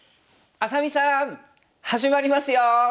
愛咲美さん始まりますよ！